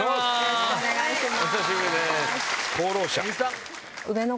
よろしくお願いします。